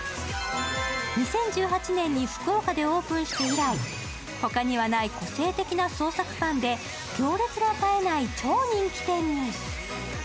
２０１８年に福岡でオープンして以来、ほかにはない個性的な創作パンで行列が絶えない超人気店に。